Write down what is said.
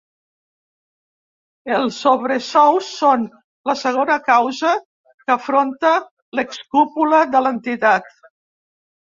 Els sobresous són la segona causa que afronta l’ex-cúpula de l’entitat.